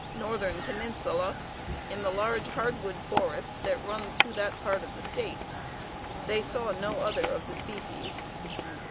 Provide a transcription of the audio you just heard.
(Northern Peninsula), in the large hardwood forest that runs through that part of the State. They saw no other of the species.